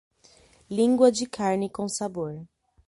Lingua de carne com sabor